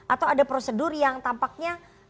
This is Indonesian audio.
atau ada prosedur yang tampaknya